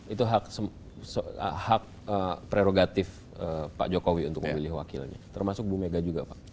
itu hak prerogatif pak jokowi untuk memilih wakilnya termasuk bu mega juga pak